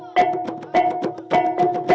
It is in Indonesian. ya tidak apa apa